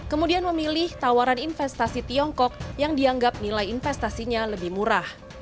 kemudian memilih tawaran investasi tiongkok yang dianggap nilai investasinya lebih murah